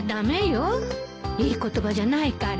いい言葉じゃないから。